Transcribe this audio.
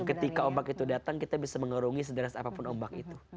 yang ketika ombak itu datang kita bisa mengerungi sederhana apapun ombak itu